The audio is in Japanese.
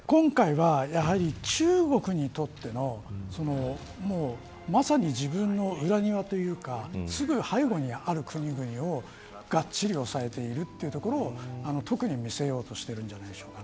今回はやはり中国にとってのまさに自分の裏庭というかすぐ背後にある国々をがっちり押さえているというところを特に見せようとしているんじゃないでしょうか。